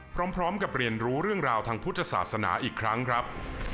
พร้อมกับเรียนรู้เรื่องราวทางพุทธศาสนาอีกครั้งครับ